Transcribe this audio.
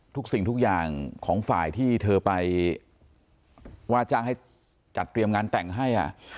สิ่งทุกอย่างของฝ่ายที่เธอไปว่าจ้างให้จัดเตรียมงานแต่งให้